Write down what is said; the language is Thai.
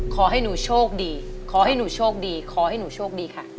ขอให้หนูโชคดีขอให้หนูโชคดีขอให้หนูโชคดีค่ะ